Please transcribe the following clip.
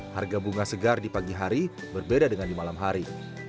harga bunga segar di pagi hari berbeda dengan di malam hari